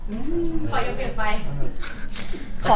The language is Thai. ขอยังเปลี่ยนไป